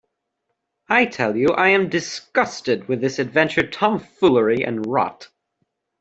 I tell you I am disgusted with this adventure tomfoolery and rot.